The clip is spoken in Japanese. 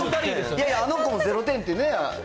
いやいや、あの子も０点ってね。